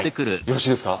よろしいですか？